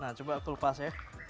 nah coba aku lepas ya